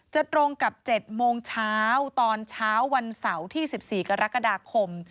ตรงกับ๗โมงเช้าตอนเช้าวันเสาร์ที่๑๔กรกฎาคม